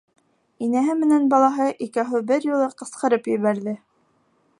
Инәһе менән балаһы икәүһе бер юлы ҡысҡырып ебәрҙе: